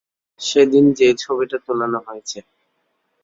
সেদিন সেই যে ছবিটা তোলানো হয়েছে।